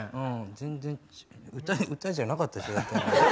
全然歌じゃなかったし大体。